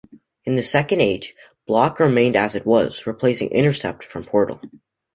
In "Second Age", "block" remained as it was, replacing "intercept" from Portal.